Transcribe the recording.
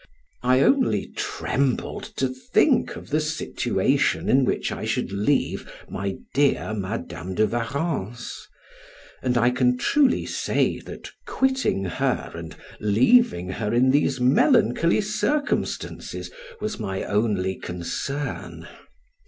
I only trembled to think of the situation in which I should leave my dear Madam de Warrens; and I can truly say, that quitting her, and leaving her in these melancholy circumstances, was my only concern.